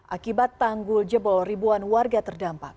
akibat tanggul jebol ribuan warga terdampak